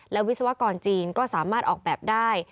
และวิศวกรจีนก็สามารถออกแบบได้